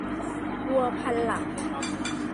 วัวพันหลัก